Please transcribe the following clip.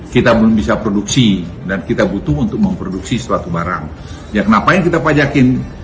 kita belum bisa produksi dan kita butuh untuk memproduksi suatu barang ya ngapain kita pajakin